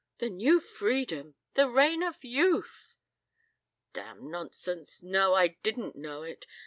The New Freedom! The Reign of Youth!" "Damn nonsense. No, I didn't know it.